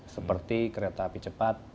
seperti kereta api cepat